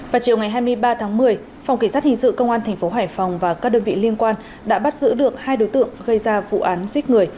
vào chiều ngày hai mươi ba tháng một mươi phòng kỳ sát hình sự công an tp hải phòng và các đơn vị liên quan đã bắt giữ được hai đối tượng gây ra vụ án giết người